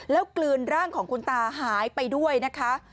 แล้วกลืนร่างของคุณตาหายไปด้วยนะคะ